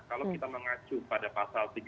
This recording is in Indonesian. kalau kita mengacu pada pasal tiga puluh